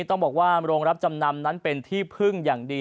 ต้องบอกว่าโรงรับจำนำนั้นเป็นที่พึ่งอย่างดี